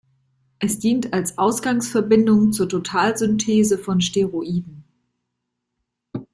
Es dient als Ausgangsverbindung zur Totalsynthese von Steroiden.